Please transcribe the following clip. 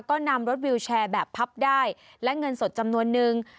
ก็นำรถวิวแชร์แบบพับได้และเงินสดจำนวนนึง